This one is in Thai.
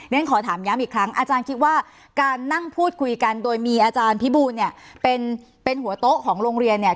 ฉันขอถามย้ำอีกครั้งอาจารย์คิดว่าการนั่งพูดคุยกันโดยมีอาจารย์พิบูลเนี่ยเป็นหัวโต๊ะของโรงเรียนเนี่ย